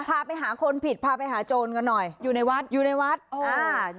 พาไปหาคนผิดพาไปหาโจรกันหน่อยอยู่ในวัดอยู่ในวัดอ่า